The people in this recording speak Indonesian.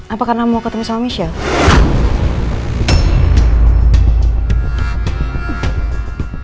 apa karena mau ketemu sama michelle